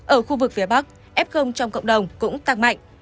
ở khu vực phía bắc f trong cộng đồng cũng tăng mạnh